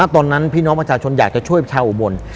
ตอนนั้นพี่น้องประชาชนอยากจะช่วยชาวอุบล